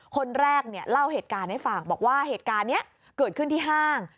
คนแรกเนี่ยเล่าเหตุการณ์ให้ฟังบอกว่าเหตุการณ์นี้เกิดขึ้นที่ห้าง